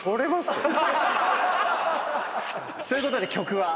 ということで曲は？